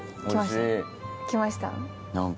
きました？